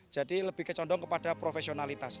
jadi lebih kecondong kepada profesionalitas